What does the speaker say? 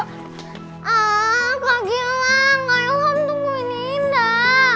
kak ilham kak ilham tungguin indah